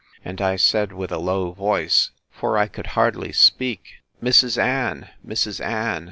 And I said, with a low voice, (for I could hardly speak,) Mrs. Ann! Mrs. Ann!